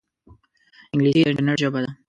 انګلیسي د انټرنیټ ژبه ده